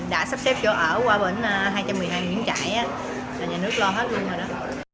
đã sắp xếp chỗ ở qua bỉnh hai trăm một mươi hai nguyễn trãi nhà nước lo hết luôn rồi đó